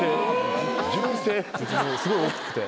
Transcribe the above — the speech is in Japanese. すごい大きくて。